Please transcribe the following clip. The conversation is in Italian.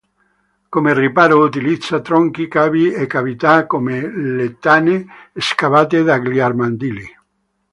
Come riparo utilizza tronchi cavi e cavità come le tane scavate dagli armadilli.